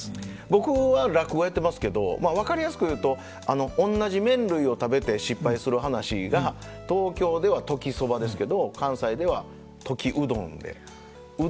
僕は落語やってますけど分かりやすく言うとおんなじ麺類を食べて失敗する噺が東京では「時そば」ですけど関西では「時うどん」でう